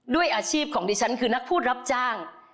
ด้วยอาชีพของดิฉันคือนักพูดรับจ้าง